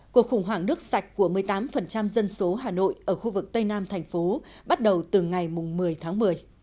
cuộc khủng hoảng nước sạch của một mươi tám dân số hà nội ở khu vực tây nam thành phố bắt đầu từ ngày một mươi tháng một mươi